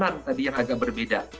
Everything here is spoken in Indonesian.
tadi makanan tadi yang agak berbeda